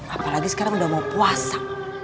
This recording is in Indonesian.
apalagi sekarang udah mau puasa